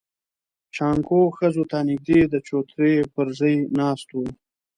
جانکو ښځو ته نږدې د چوترې پر ژی ناست و.